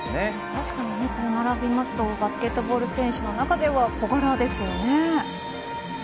確かに並びますとバスケットボール選手の中では小柄ですね。